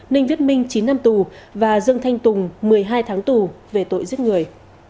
ninh viết minh chín năm tù và dương thanh tùng một mươi hai tháng tù về tội giết người